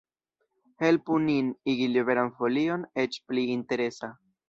Helpu nin igi Liberan Folion eĉ pli interesa!